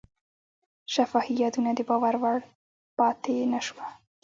شفاهي یادونه د باور وړ پاتې نه شوه.